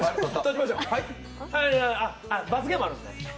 罰ゲームがあるんですか？